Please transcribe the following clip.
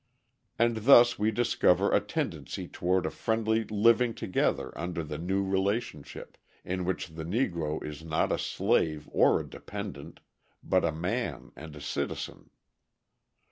And thus we discover a tendency toward a friendly living together under the new relationship, in which the Negro is not a slave or a dependent, but a man and a citizen.